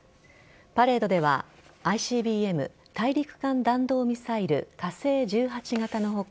パレードではＩＣＢＭ＝大陸間弾道ミサイル火星１８型の他